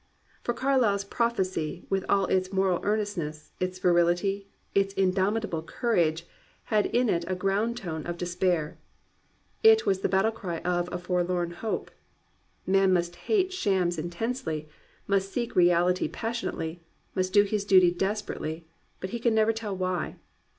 For Carlyle 's prophecy, with all its moral earnest ness, its virility, its indomitable courage, had in it a ground tone of despair. It was the battle cry of a forlorn hope. Man must hate shams intensely, must seek reality passionately, must do his duty desperately; but he can never tell why.